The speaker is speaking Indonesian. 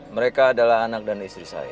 mereka adalah anak dan istri saya